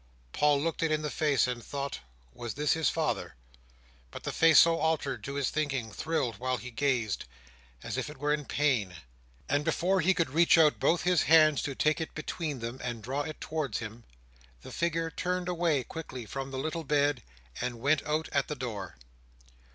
Paul looked it in the face, and thought, was this his father? But the face so altered to his thinking, thrilled while he gazed, as if it were in pain; and before he could reach out both his hands to take it between them, and draw it towards him, the figure turned away quickly from the little bed, and went out at the door.